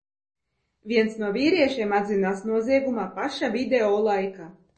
Viens no vīriešiem atzinās noziegumā paša video laikā.